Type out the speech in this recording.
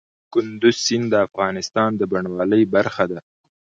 کندز سیند د افغانستان د بڼوالۍ برخه ده.